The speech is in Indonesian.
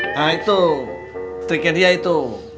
nah itu triknya dia itu